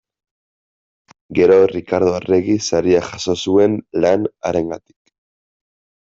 Gero Rikardo Arregi Saria jaso zuen lan harengatik.